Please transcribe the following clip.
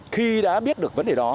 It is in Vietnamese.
khi đã biết được vấn đề đó